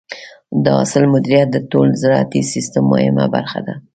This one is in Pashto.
د حاصل مدیریت د ټول زراعتي سیستم مهمه برخه ده.